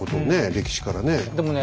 歴史からね。